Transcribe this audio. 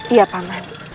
iya pak man